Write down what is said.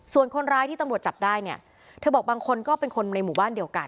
ส่วนคนร้ายที่ตำรวจจับได้เนี่ยเธอบอกบางคนก็เป็นคนในหมู่บ้านเดียวกัน